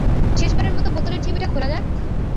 শেষবারের মতো বোতলের ছিপিটা খোলা যাক?